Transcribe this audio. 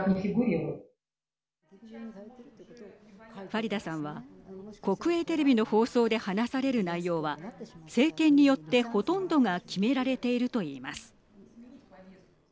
ファリダさんは国営テレビの放送で話される内容は政権によって、ほとんどが決められているといいます。